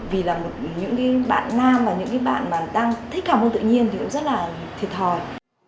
vì là những bạn nam và những bạn mà đang thích hàm môn tự nhiên thì cũng rất là thiệt hòi